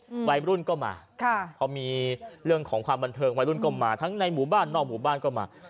วัยรุ่นก็มาค่ะพอมีเรื่องของความบันเทิงวัยรุ่นก็มาทั้งในหมู่บ้านนอกหมู่บ้านก็มา